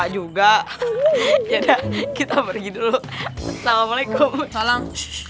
juga kita pergi dulu assalamualaikum salam